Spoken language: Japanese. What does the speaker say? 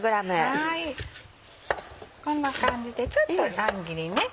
こんな感じでちょっと乱切りにね。